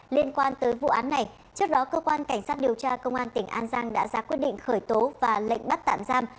liên quan tới vụ án này trước đó cơ quan cảnh sát điều tra công an tỉnh an giang đã ra quyết định khởi tố và lệnh bắt tạm giam